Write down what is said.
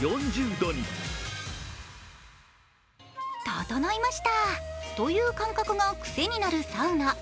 ととのいましたという感覚が癖になるサウナ。